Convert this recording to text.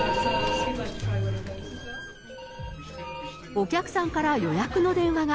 お客さんから予約の電話が。